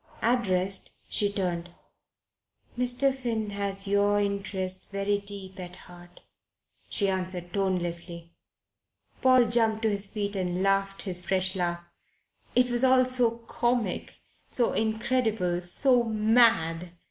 Addressed, she turned. "Mr. Finn has your interests very deep at heart," she answered tonelessly. Paul jumped to his feet and laughed his fresh laugh. It was all so comic, so incredible, so mad.